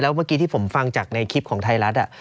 เมื่อกี้ที่ผมฟังจากในคลิปของไทยรัฐ